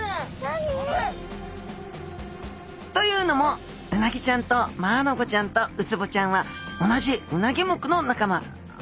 何！？というのもうなぎちゃんとマアナゴちゃんとウツボちゃんは同じウナギ目の仲間。